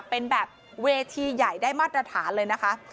เป็นแบบเวทีใหญ่ได้มาตรฐานเลยนะคะ